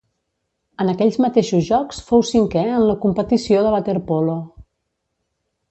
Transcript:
En aquells mateixos Jocs fou cinquè en la competició de waterpolo.